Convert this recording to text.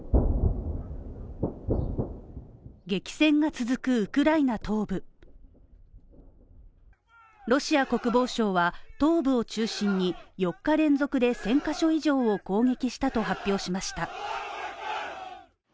激戦が続くウクライナ東部ロシア国防省は東部を中心に４日連続で１０００ヶ所以上を攻撃したと発表しました。